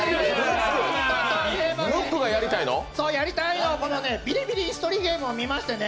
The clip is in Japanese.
そうやりたいの「ビリビリイス取りゲーム」を見ましてね